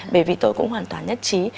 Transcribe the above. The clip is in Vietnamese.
bởi vì tôi cũng hoàn toàn nhất trí